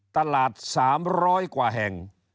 ตลาด๓๐๐กว่าแห่ง